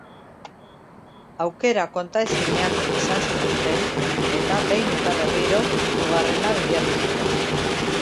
Aukera kontaezinak izan zituzten eta behin eta berriro hirugarrena bilatu zuten.